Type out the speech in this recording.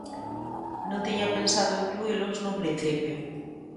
Non tiña pensado incluílos nun principio.